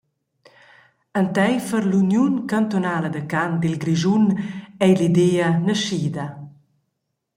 Enteifer l’Uniun cantunala da cant dil Grischun ei l’idea naschida.